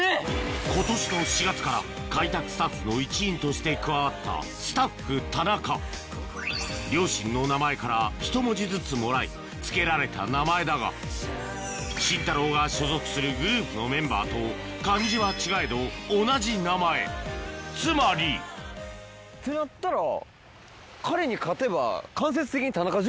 今年の４月から開拓スタッフの一員として加わったスタッフ田中両親の名前からひと文字ずつもらい付けられた名前だがシンタローが所属するグループのメンバーと漢字は違えど同じ名前つまりってなったら。